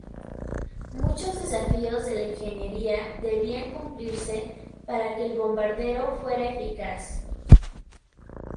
Muchos desafíos de la ingeniería debían cumplirse para que el bombardero fuera eficaz.